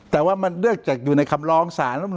แต่ว่ามันเลือกจากอยู่ในคำลองศาล